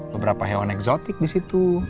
beberapa hewan eksotik di situ